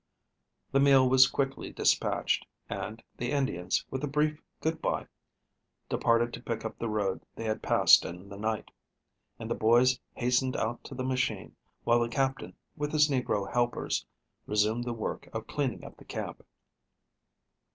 The meal was quickly dispatched, and the Indians, with a brief "good by," departed to pick up the road they had passed in the night, and the boys hastened out to the machine, while the Captain, with his negro helpers, resumed the work of cleaning up the camp.